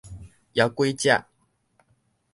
枵鬼食